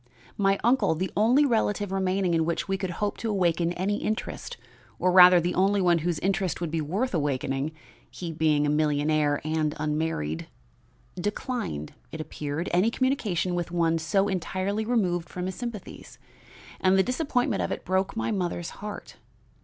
My uncle the only relative remaining in which we could hope to awaken any interest, or rather, the only one whose interest would be worth awakening, he being a millionaire and unmarried declined, it appeared, any communication with one so entirely removed from his sympathies; and the disappointment of it broke my mother's heart.